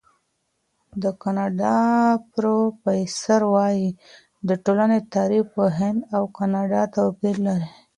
د کاناډا پروفیسور وايي، د ټولنې تعریف په هند او کاناډا توپیر لري.